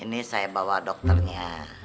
ini saya bawa dokternya